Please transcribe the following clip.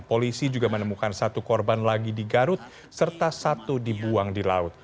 polisi juga menemukan satu korban lagi di garut serta satu dibuang di laut